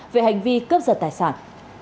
về hành vi cướp giật tài sản